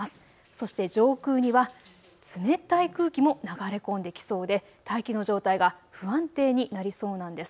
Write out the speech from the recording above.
そして上空には冷たい空気も流れ込んできそうで大気の状態が不安定になりそうなんです。